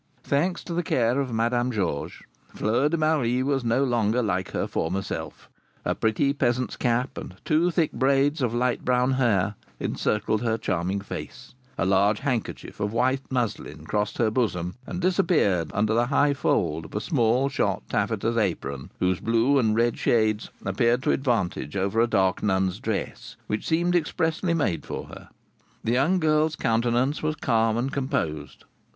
Thanks to the care of Madame Georges, Fleur de Marie was no longer like her former self. A pretty peasant's cap, and two thick braids of light brown hair, encircled her charming face. A large handkerchief of white muslin crossed her bosom, and disappeared under the high fold of a small shot taffetas apron, whose blue and red shades appeared to advantage over a dark nun's dress, which seemed expressly made for her. The young girl's countenance was calm and composed.